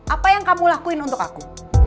apa yang kamu lakuin untuk aku